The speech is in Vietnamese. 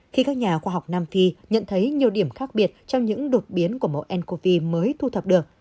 khi các nhà khoa học nam phi nhận thấy nhiều điểm khác biệt trong những đột biến của mẫu ncov mới thu thập được